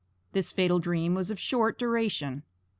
This fatal dream was of short duration.